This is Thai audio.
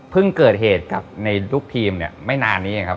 เพิ่งเกิดเหตุในลูกทีมเนี่ยไม่นานนี้เนี่ยครับ